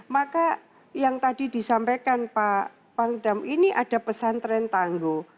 maka yang tadi disampaikan pak bangdam ini ada pesan tren tangguh